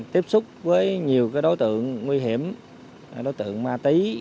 tiếp xúc với nhiều đối tượng nguy hiểm đối tượng ma túy